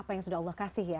apa yang sudah allah kasih ya